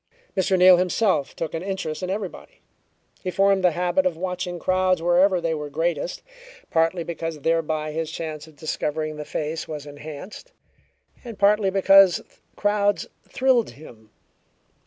Mr. Neal himself took an interest in everybody. He formed the habit of watching crowds wherever they were greatest, partly because thereby his chance of discovering the face was enhanced, and partly because crowds thrilled him.